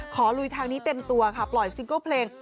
ลุยทางนี้เต็มตัวค่ะปล่อยซิงเกิลเพลง